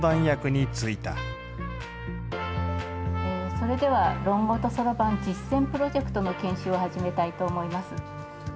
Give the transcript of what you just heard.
それでは「論語と算盤」実践プロジェクトの研修を始めたいと思います。